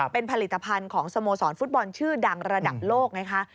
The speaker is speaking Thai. เป็นผลิตภัณฑ์ของสโมสรฟุตบอลชื่อดังระดับโลกไงคะ